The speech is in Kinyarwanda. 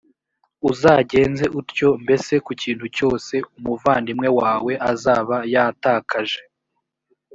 uzagenze utyo mbese ku kintu cyose umuvandimwe wawe azaba yatakaje,